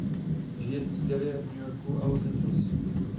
Žije střídavě v New Yorku a Los Angeles.